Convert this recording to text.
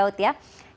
kemudian tujuh hari